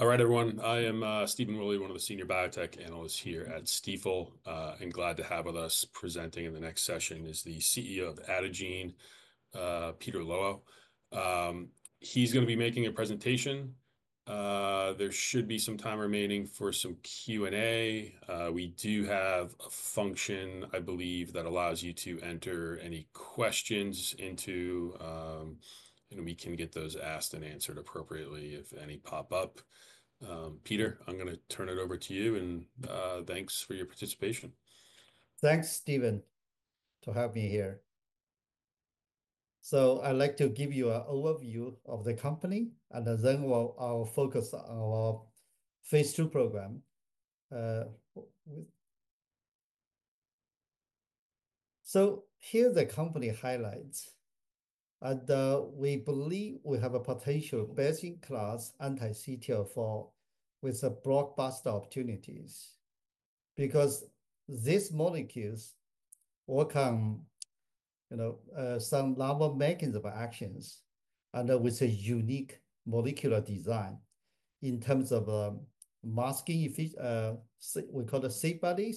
Alright, everyone. I am Stephen Willey, one of the senior biotech analysts here at Stifel, and glad to have with us presenting in the next session is the CEO of Adagene, Peter Luo. He's gonna be making a presentation. There should be some time remaining for some Q&A. We do have a function, I believe, that allows you to enter any questions into, and we can get those asked and answered appropriately if any pop up. Peter, I'm gonna turn it over to you, and thanks for your participation. Thanks, Stephen, to have me here. I'd like to give you an overview of the company, and then I'll focus on our phase two program. Here are the company highlights. We believe we have a potential best-in-class anti-CTLA-4 with blockbuster opportunities because these molecules work on, you know, some novel mechanism of action, and with a unique molecular design in terms of masking effect we call the SAFEbody,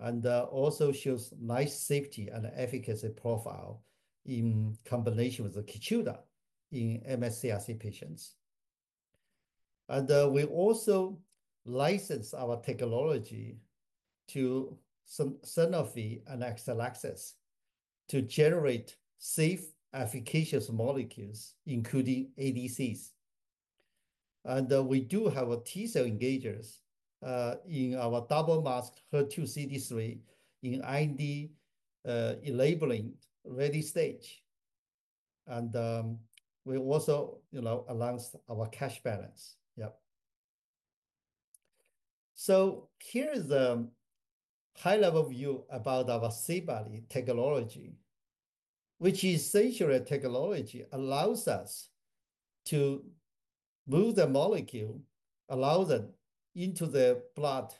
and also shows nice safety and efficacy profile in combination with Keytruda in MSS CRC patients. We also license our technology to Sanofi and Exelixis to generate safe, efficacious molecules, including ADCs. We do have T-cell engagers in our double-masked HER2 CD3 in IND-enabling, ready stage. We also, you know, announced our cash balance. Yep. Here is a high-level view about our SAFEbody technology, which essentially allows us to move the molecule, allow them into the blood,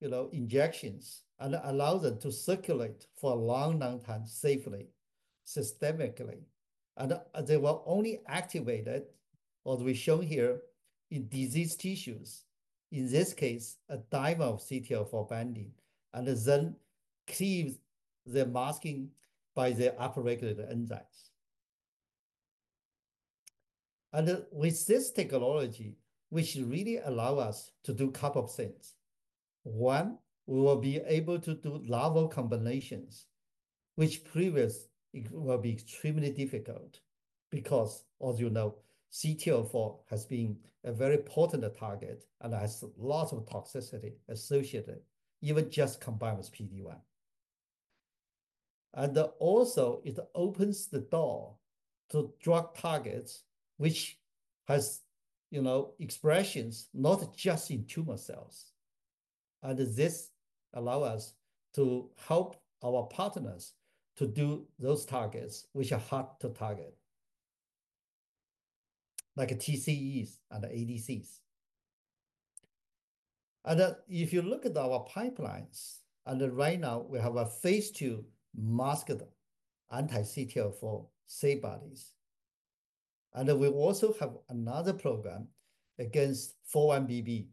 you know, injections, and allows them to circulate for a long, long time safely, systemically. They were only activated, as we show here, in disease tissues, in this case, a dimer of CTLA-4 binding, and then cleave the masking by the upregulated enzymes. With this technology, which really allows us to do a couple of things. One, we will be able to do novel combinations, which previously will be extremely difficult because, as you know, CTLA-4 has been a very potent target and has lots of toxicity associated, even just combined with PD-1. It also opens the door to drug targets, which has, you know, expressions not just in tumor cells. This allows us to help our partners to do those targets, which are hard to target, like TCEs and ADCs. If you look at our pipelines, right now we have a phase two masked anti-CTLA-4 SAFEbody. We also have another program against 4-1BB,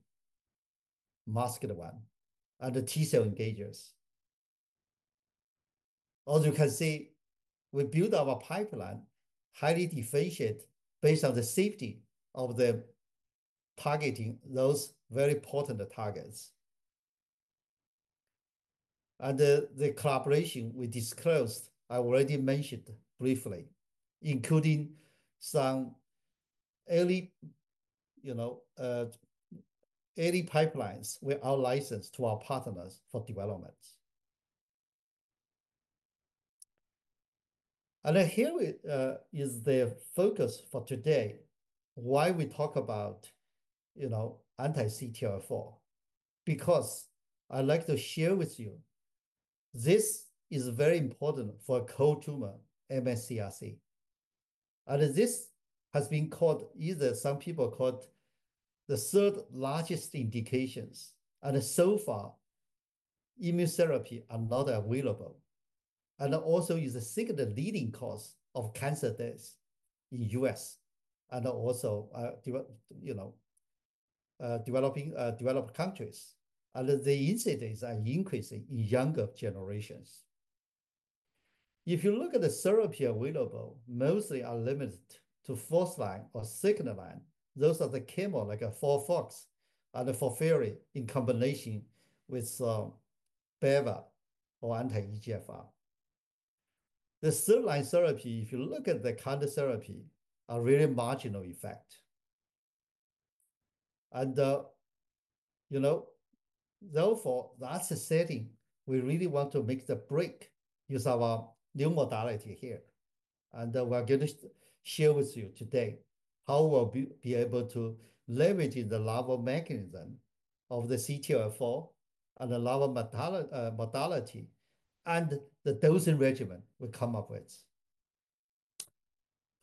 masked one, and the T-cell engagers. As you can see, we built our pipeline highly differentiated based on the safety of targeting those very potent targets. The collaboration we disclosed, I already mentioned briefly, includes some early pipelines we are licensed to our partners for development. Here is the focus for today, why we talk about, you know, anti-CTLA-4, because I'd like to share with you this is very important for a cold tumor MSS CRC. This has been called either, some people call it the third largest indication, and so far, immunotherapy is not available. It also is a second leading cause of cancer deaths in the U.S., and also, you know, developing, developed countries, and the incidence are increasing in younger generations. If you look at the therapy available, mostly are limited to first-line or second-line. Those are the chemo like FOLFOX and the FOLFIRI in combination with bevacizumab or anti-EGFR. The third line therapy, if you look at the kind of therapy, are really marginal effect. You know, therefore, that's the setting we really want to make the break, use our new modality here. We're gonna share with you today how we'll be able to leverage the novel mechanism of the CTLA-4 and the novel modality, modality and the dosing regimen we come up with.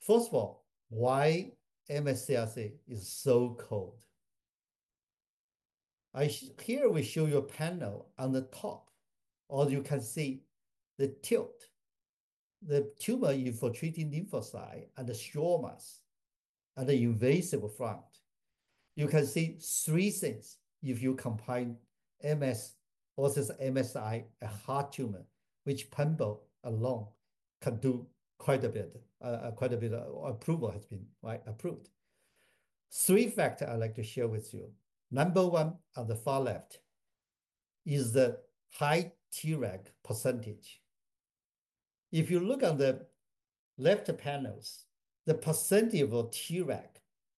First of all, why MSS CRC is so cold? Here we show your panel on the top, where you can see the TIL, the tumor-infiltrating lymphocyte, and the stroma at the invasive front. You can see three things if you combine MSS versus MSI: a hot tumor, which pembro alone can do quite a bit, quite a bit of approval has been approved. Three facts I'd like to share with you. Number one on the far left is the high Treg percentage. If you look on the left panels, the percentage of Treg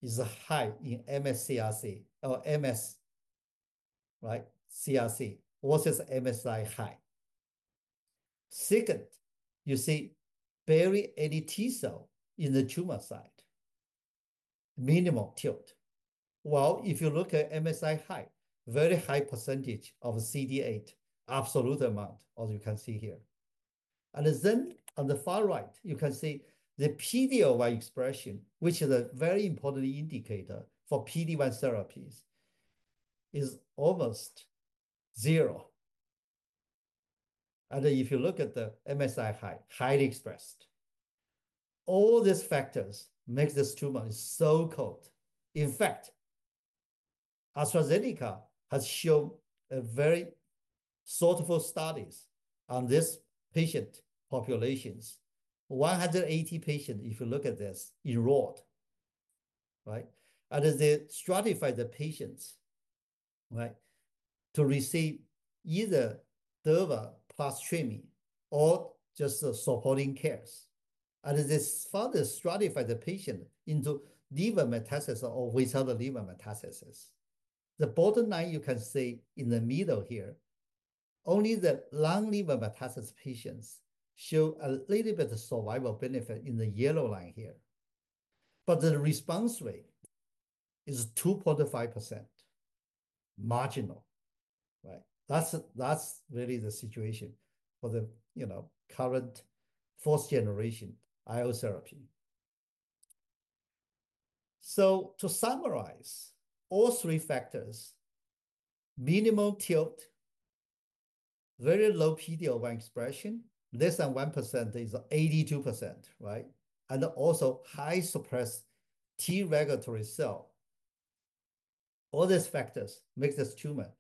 is high in MSS CRC versus MSI-high. Second, you see very early T-cells in the tumor site, minimal TIL. If you look at MSI-high, a very high percentage of CD8, absolute amount, as you can see here. On the far right, you can see the PD-L1 expression, which is a very important indicator for PD-1 therapies, is almost zero. If you look at the MSI-high, highly expressed, all these factors make this tumor so cold. In fact, AstraZeneca has shown very resourceful studies on this patient population, 180 patients, if you look at this enrolled, right? They stratify the patients, right, to receive either Durva plus Treme or just the supporting cares. They further stratify the patient into liver metastasis or without the liver metastasis. The bottom line, you can see in the middle here, only the non-liver metastasis patients show a little bit of survival benefit in the yellow line here. The response rate is 2.5%, marginal, right? That's really the situation for the, you know, current fourth-generation IO therapy. To summarize, all three factors, minimal TIL, very low PD-L1 expression, less than 1% is 82%, right? Also, high suppressed T regulatory cell. All these factors make this tumor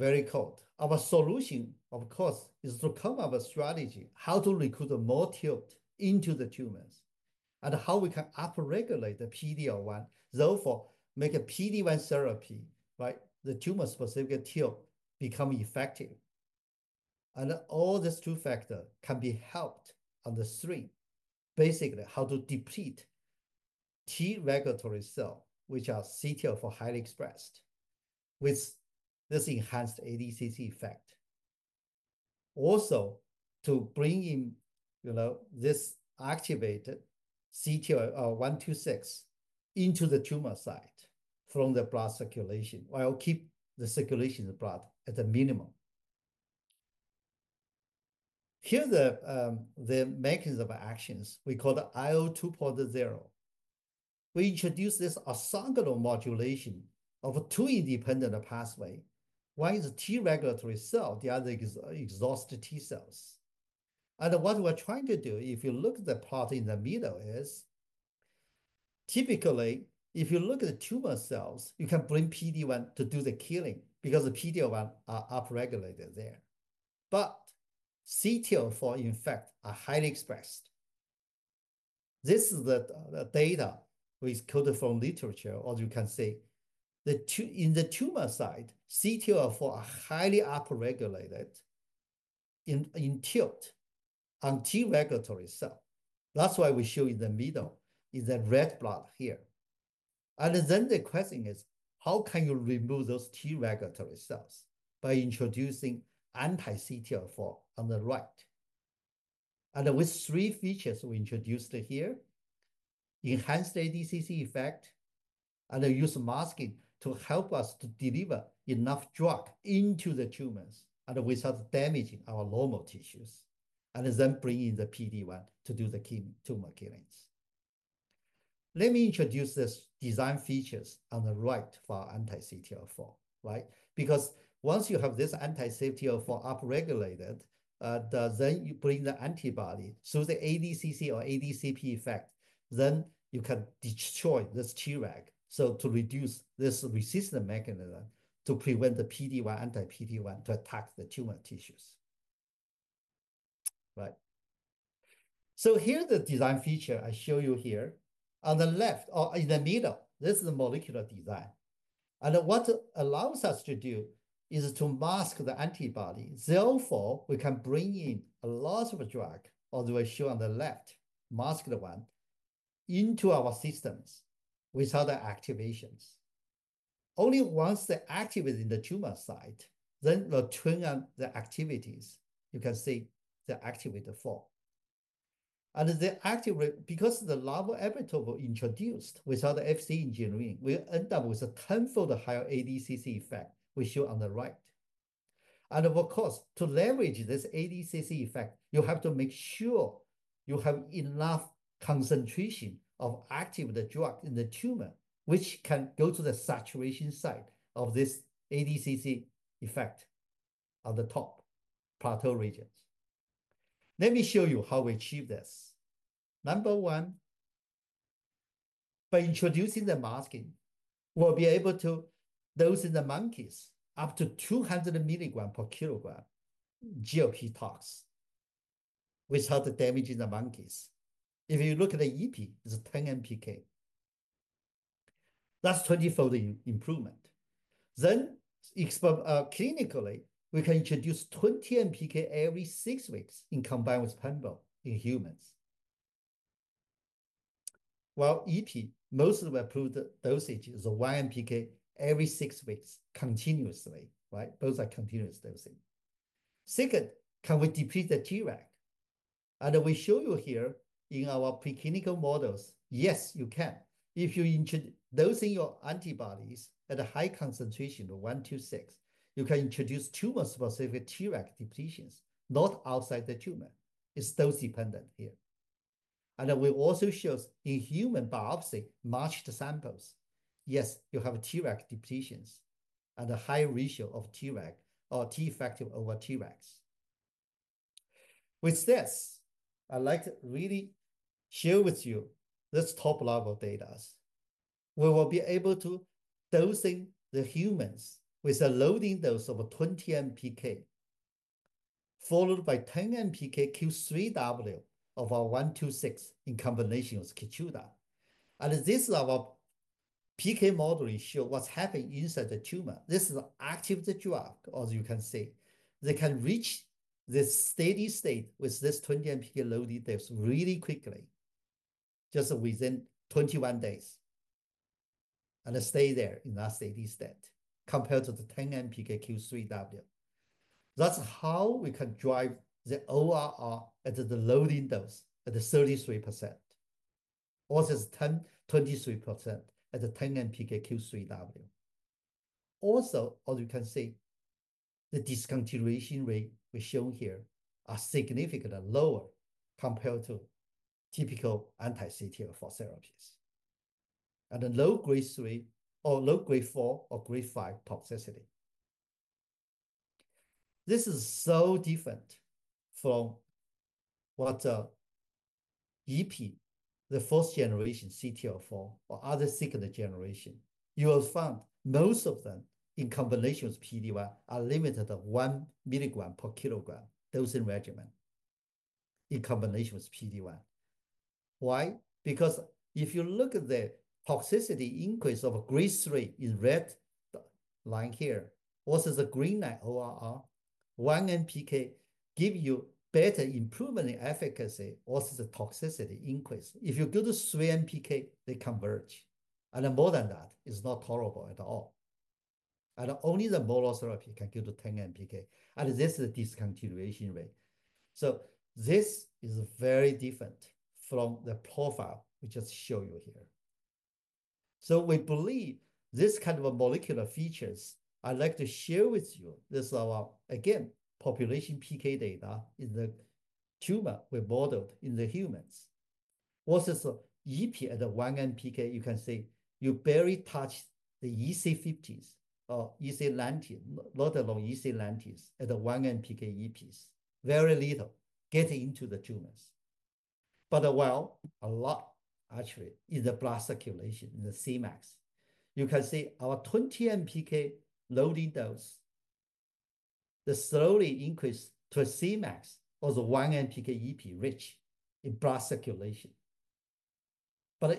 very cold. Our solution, of course, is to come up with a strategy how to recruit more TIL into the tumors and how we can upregulate the PD-L1, therefore make a PD-1 therapy, right, the tumor-specific TIL become effective. All these two factors can be helped on the stream, basically how to deplete T regulatory cell, which are CTLA-4 highly expressed, with this enhanced ADCC effect. Also, to bring in, you know, this activated ADG126 into the tumor site from the blood circulation while keep the circulation of the blood at a minimum. Here is the mechanism of action we call the IO 2.0. We introduce this orthogonal modulation of two independent pathways. One is T regulatory cell, the other is exhausted T cells. What we're trying to do, if you look at the plot in the middle, is typically if you look at the tumor cells, you can bring PD-1 to do the killing because the PD-1 are upregulated there. CTLA-4, in fact, are highly expressed. This is the data we coded from literature, as you can see. The two in the tumor site, CTLA-4, are highly upregulated in TIL on T regulatory cell. That is why we show in the middle is the red blood here. The question is, how can you remove those T regulatory cells by introducing anti-CTLA-4 on the right? With three features we introduced here, enhanced ADCC effect, and use masking to help us to deliver enough drug into the tumors and without damaging our normal tissues, and then bring in the PD-1 to do the tumor killings. Let me introduce this design features on the right for anti-CTLA-4, right? Because once you have this anti-CTLA-4 upregulated, then you bring the antibody through the ADCC or ADCP effect, then you can destroy this Treg so to reduce this resistance mechanism to prevent the PD-1, anti-PD-1 to attack the tumor tissues. Right. Here's the design feature I show you here. On the left or in the middle, this is the molecular design. What allows us to do is to mask the antibody. Therefore, we can bring in a lot of drug, as we show on the left, mask the one into our systems without the activations. Only once they activate in the tumor site, then we'll turn on the activities. You can see the activator four. The activate, because the novel epitope we introduced without the Fc engineering, we end up with a tenfold higher ADCC effect we show on the right. Of course, to leverage this ADCC effect, you have to make sure you have enough concentration of active drug in the tumor, which can go to the saturation site of this ADCC effect on the top plateau regions. Let me show you how we achieve this. Number one, by introducing the masking, we'll be able to dose in the monkeys up to 200 mg per kg GLP tox without damaging the monkeys. If you look at the Ipi, it's 10 MPK. That's 20-fold improvement. Expo clinically, we can introduce 20 MPK every six weeks in combined with pembro in humans. Ipi, most of the approved dosage is one MPK every six weeks continuously, right? Those are continuous dosing. Second, can we deplete the Treg? We show you here in our preclinical models, yes, you can. If you introduce dosing your antibodies at a high concentration of 126, you can introduce tumor-specific Treg depletions, not outside the tumor. It is dose-dependent here. We also show in human biopsy-matched samples, yes, you have Treg depletions and a high ratio of T effective over Tregs. With this, I'd like to really share with you this top-level data. We will be able to dose in the humans with a loading dose of 20 MPK, followed by 10 MPK Q3W of our 126 in combination with Keytruda. This is our PK modeling, show what's happening inside the tumor. This is active drug, as you can see. They can reach this steady state with this 20 MPK loading dose really quickly, just within 21 days, and stay there in that steady state compared to the 10 MPK Q3W. That's how we can drive the ORR at the loading dose at the 33%, or it's 10, 23% at the 10 MPK Q3W. Also, as you can see, the discontinuation rate we show here are significantly lower compared to typical anti-CTLA-4 therapies and the low-grade three or low-grade four or grade five toxicity. This is so different from what the EP, the fourth generation CTLA-4, or other second-generation generation. You will find most of them, in combination with PD-1, are limited to one milligram per kilogram dosing regimen in combination with PD-1. Why? Because if you look at the toxicity increase of grade three in red line here, what is the green line ORR? One MPK gives you better improvement in efficacy versus the toxicity increase. If you go to three MPK, they converge. More than that, it's not tolerable at all. Only the molar therapy can go to 10 MPK. This is the discontinuation rate. This is very different from the profile we just show you here. We believe these kinds of molecular features I'd like to share with you. This is our, again, population PK data in the tumor we modeled in the humans. Versus EP at the one MPK, you can see you barely touch the EC50s or EC90, not along EC90s at the one MPK EPs. Very little gets into the tumors. Actually, a lot in the blood circulation, in the CMAX. You can see our 20 MPK loading dose, the slowly increase to a CMAX or the 1 MPK EP reaches in blood circulation.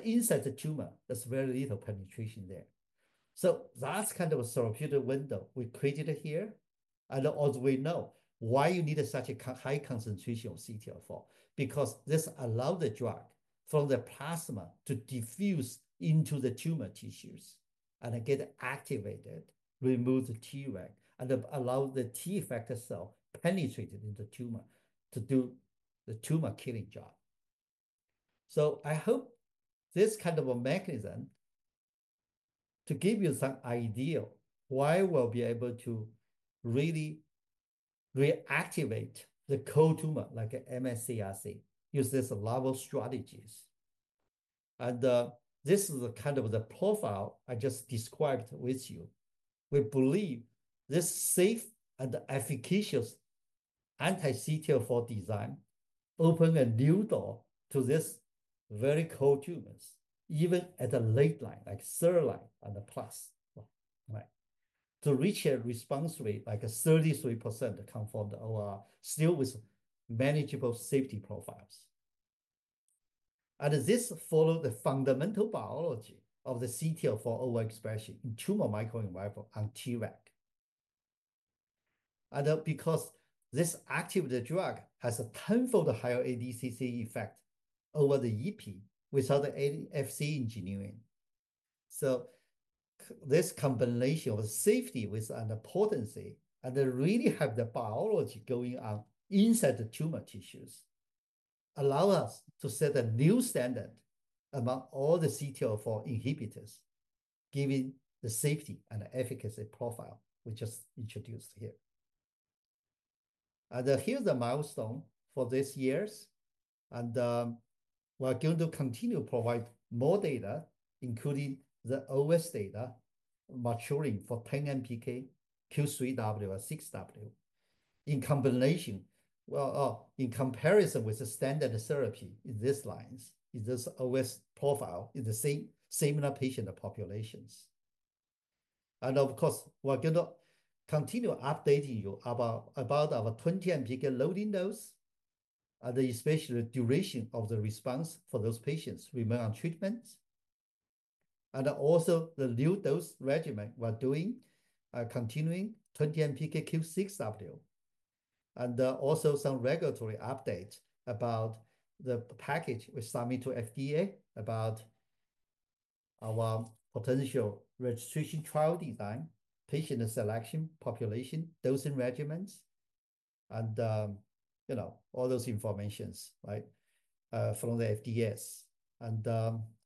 Inside the tumor, there's very little penetration there. That's kind of a therapeutic window we created here. As we know, why you need such a high concentration of CTLA-4? This allows the drug from the plasma to diffuse into the tumor tissues and get activated, remove the Treg, and allow the T effector cell penetrated into the tumor to do the tumor-killing job. I hope this kind of a mechanism to give you some idea why we'll be able to really reactivate the cold tumor like MSS CRC, using these novel strategies. This is the kind of the profile I just described with you. We believe this safe and efficacious anti-CTLA-4 design opens a new door to these very cold tumors, even at the late line, like third line and the plus, right? To reach a response rate like a 33% confirmed ORR still with manageable safety profiles. This follows the fundamental biology of the CTLA-4 overexpression in tumor microenvironment on Treg. Because this active drug has a tenfold higher ADCC effect over the EP without the FC engineering. This combination of safety with an importancy and really have the biology going on inside the tumor tissues allows us to set a new standard among all the CTLA-4 inhibitors, giving the safety and efficacy profile we just introduced here. Here is the milestone for these years. We're going to continue to provide more data, including the OS data maturing for 10 MPK Q3W and 6W in combination, in comparison with the standard therapy in these lines, in this OS profile in the same similar patient populations. Of course, we're going to continue updating you about our 20 MPK loading dose and especially the duration of the response for those patients remaining on treatment. Also, the new dose regimen we're doing, continuing 20 MPK Q6W. There will also be some regulatory updates about the package we submitted to FDA about our potential registration trial design, patient selection population, dosing regimens, and, you know, all those informations, right, from the FDA.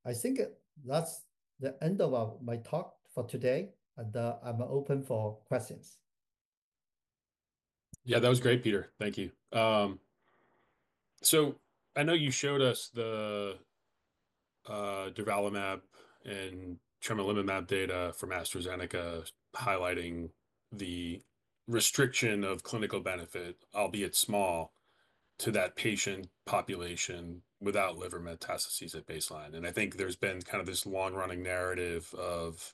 I think that's the end of my talk for today. I'm open for questions. Yeah, that was great, Peter. Thank you. I know you showed us the durvalumab and tremelimumab data for AstraZeneca, highlighting the restriction of clinical benefit, albeit small, to that patient population without liver metastases at baseline. I think there's been kind of this long-running narrative of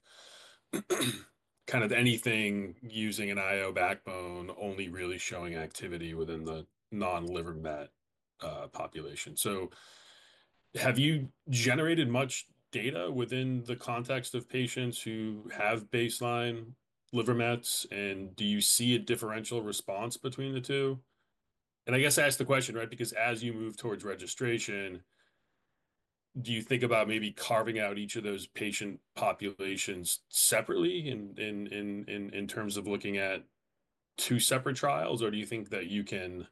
anything using an IO backbone only really showing activity within the non-liver met population. Have you generated much data within the context of patients who have baseline liver mets? Do you see a differential response between the two? I guess I ask the question, right? Because as you move towards registration, do you think about maybe carving out each of those patient populations separately in terms of looking at two separate trials, or do you think that you can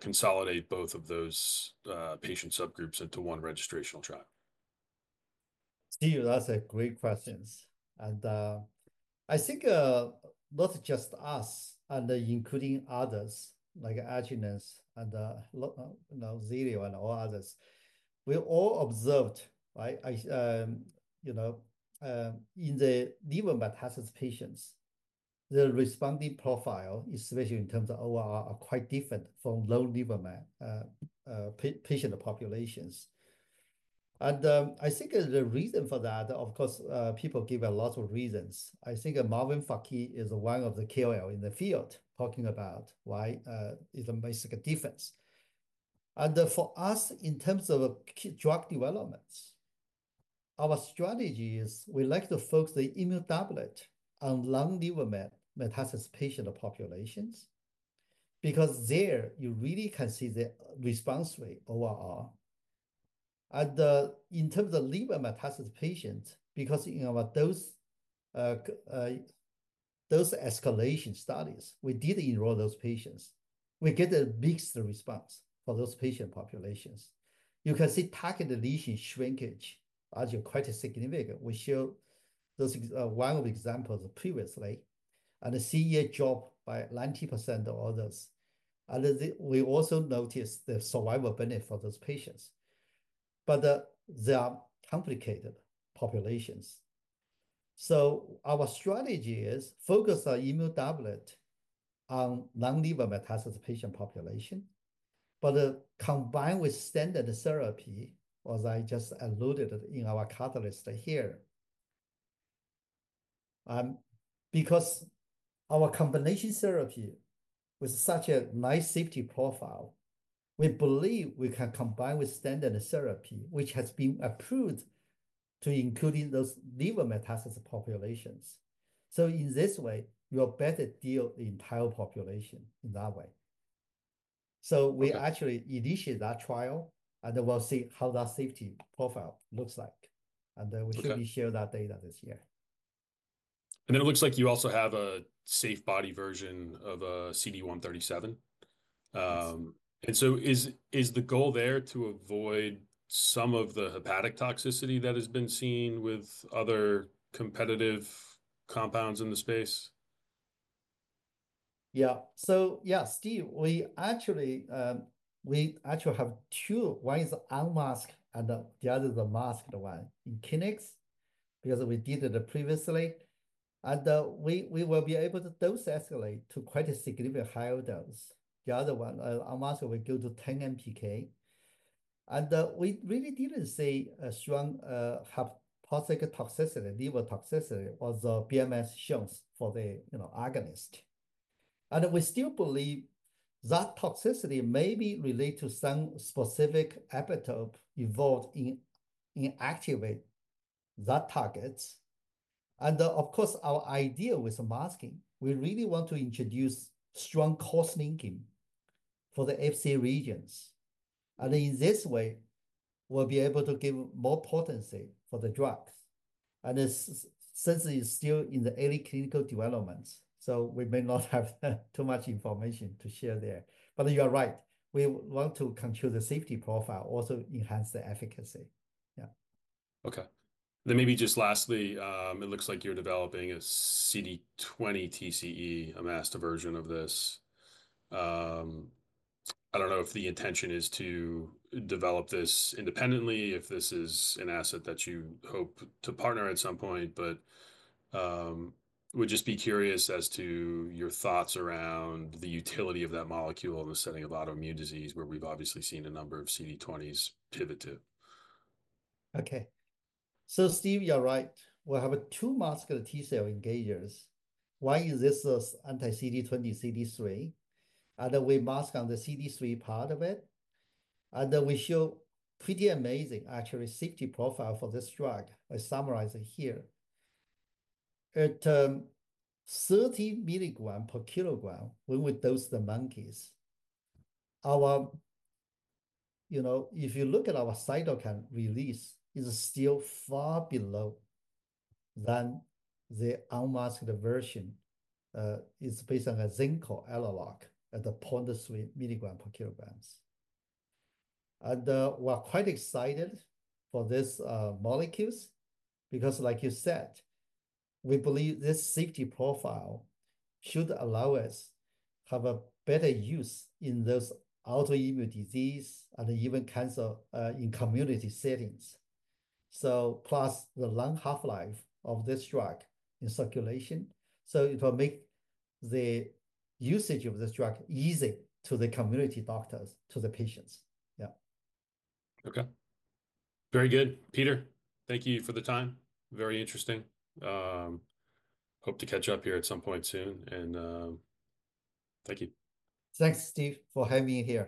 consolidate both of those patient subgroups into one registration trial? Steve, that's a great question. I think not just us, including others like Agenus and Zai Lab, and all others, we all observed, you know, in the liver metastasis patients, the responding profile, especially in terms of ORR, are quite different from low liver met patient populations. I think the reason for that, of course, people give a lot of reasons. I think Marvin Fakih is one of the KOL in the field talking about why it makes a difference. For us, in terms of drug developments, our strategy is we like to focus the immunotherapy on non-liver metastasis patient populations because there you really can see the response rate, ORR. In terms of liver metastasis patients, because in our dose escalation studies, we did enroll those patients, we get a mixed response for those patient populations. You can see target deletion shrinkage as you're quite significant. We show those one of the examples previously and the CEA dropped by 90% of others. We also noticed the survival benefit for those patients. They are complicated populations. Our strategy is focus on immunotherapy on non-liver metastasis patient population, but combined with standard therapy, as I just alluded in our catalyst here. Because our combination therapy with such a nice safety profile, we believe we can combine with standard therapy, which has been approved to include those liver metastasis populations. In this way, you'll better deal the entire population in that way. We actually initiate that trial and we'll see how that safety profile looks like. We should be sharing that data this year. It looks like you also have a SAFEbody version of a CD137. Is the goal there to avoid some of the hepatic toxicity that has been seen with other competitive compounds in the space? Yeah. Yeah, Steve, we actually have two. One is unmasked and the other is the masked one in clinics because we did it previously. We will be able to dose escalate to quite a significant higher dose. The other one, unmasked, will go to 10 mg/kg. We really did not see a strong hepatic toxicity, liver toxicity as BMS shows for the, you know, agonist. We still believe that toxicity may be related to some specific epitope involved in inactivating that target. Of course, our idea with masking, we really want to introduce strong cross-linking for the FC regions. In this way, we will be able to give more potency for the drugs. Since it's still in the early clinical development, we may not have too much information to share there. You're right. We want to control the safety profile, also enhance the efficacy. Yeah. Okay. Maybe just lastly, it looks like you're developing a CD20 TCE, a masked version of this. I don't know if the intention is to develop this independently, if this is an asset that you hope to partner at some point, but would just be curious as to your thoughts around the utility of that molecule in the setting of autoimmune disease, where we've obviously seen a number of CD20s pivot to. Okay. Steve, you're right. We have two masked T cell engagers. One is this anti-CD20 CD3, and we mask on the CD3 part of it. We show pretty amazing, actually, safety profile for this drug. I summarize it here. At 30 milligrams per kilogram, when we dose the monkeys, our, you know, if you look at our cytokine release, it's still far below than the unmasked version. It's based on a zinc analogue at the 0.3 milligrams per kilogram. And we're quite excited for these molecules because, like you said, we believe this safety profile should allow us to have a better use in those autoimmune diseases and even cancer in community settings. Plus, the long half-life of this drug in circulation. It will make the usage of this drug easy to the community doctors, to the patients. Yeah. Okay. Very good, Peter. Thank you for the time. Very interesting. Hope to catch up here at some point soon. Thank you. Thanks, Steve, for having me here.